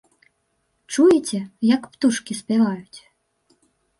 Чуеце, як птушкі спяваюць?